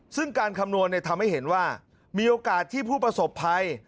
ซึ่งการคำนวณทำให้เห็นว่ามีโอกาสที่ผู้ประสบภัย